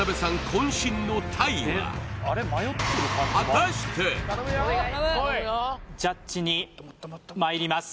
渾身の鯛はジャッジにまいります